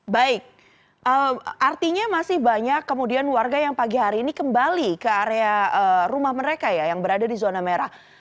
baik artinya masih banyak kemudian warga yang pagi hari ini kembali ke area rumah mereka ya yang berada di zona merah